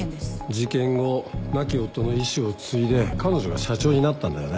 事件後亡き夫の遺志を継いで彼女が社長になったんだよね。